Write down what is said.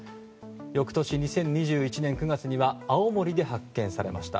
翌年２０２１年９月には青森で発見されました。